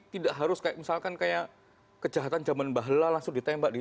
tidak harus kayak misalkan kayak kejahatan zaman mbah lala langsung ditembak di